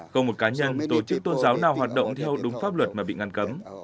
không một cá nhân tổ chức tôn giáo nào hoạt động theo đúng pháp luật mà bị ngăn cấm